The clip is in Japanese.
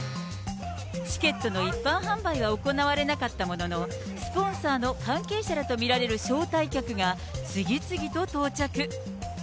チケットの一般販売は行われなかったものの、スポンサーの関係者らと見られる招待客が、次々と到着。